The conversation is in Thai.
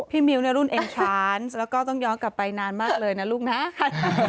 มิ้วเนี่ยรุ่นเอ็นชาญแล้วก็ต้องย้อนกลับไปนานมากเลยนะลูกนะ